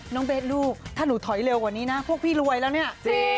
เบสลูกถ้าหนูถอยเร็วกว่านี้นะพวกพี่รวยแล้วเนี่ย